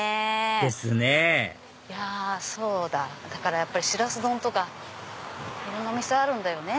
ですねだからやっぱりシラス丼とかいろんなお店あるんだよね。